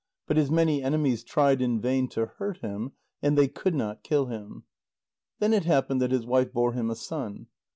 But his many enemies tried in vain to hurt him, and they could not kill him. Then it happened that his wife bore him a son.